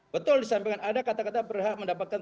betul disampaikan ada kata kata berhak mendapatkan